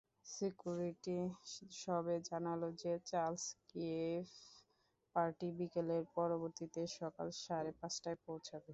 Security সবে জানাল যে চার্লস কিফ পার্টি বিকেলের পরিবর্তে সকাল সাড়ে পাঁচটায় পৌঁছাবে।